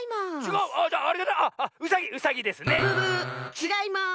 ちがいます！